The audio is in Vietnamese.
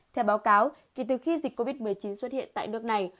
theo báo cáo kể từ khi dịch covid một mươi chín xuất hiện tại nước này